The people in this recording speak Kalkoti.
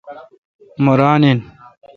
مہ ران این ۔